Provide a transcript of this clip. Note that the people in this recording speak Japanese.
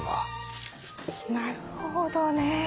なるほどね。